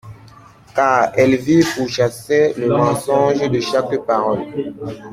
Car Elvire pourchassait le mensonge de chaque parole.